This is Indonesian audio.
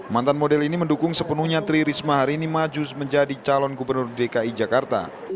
mantan model ini mendukung sepenuhnya tri risma hari ini maju menjadi calon gubernur dki jakarta